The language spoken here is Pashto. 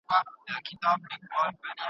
پاڼه د رحیم لخوا په بدو نومونو یاده شوه.